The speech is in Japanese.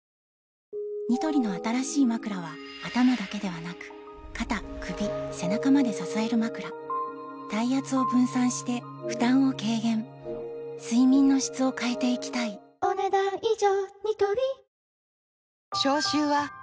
ニトリの新しいまくらは頭だけではなく肩・首・背中まで支えるまくら体圧を分散して負担を軽減睡眠の質を変えていきたいお、ねだん以上。